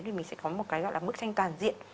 thì mình sẽ có một cái gọi là bức tranh toàn diện